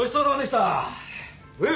え！